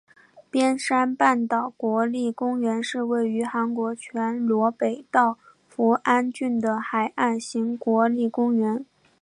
边山半岛国立公园是位于韩国全罗北道扶安郡的海岸型国立公园。